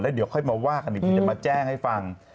เดี๋ยวค่อยมาว่ากันอีกทีจะมาแจ้งให้ฟัง